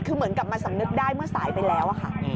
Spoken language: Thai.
คือเหมือนกับมาสำนึกได้เมื่อสายไปแล้วอะค่ะ